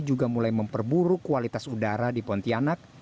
juga mulai memperburuk kualitas udara di pontianak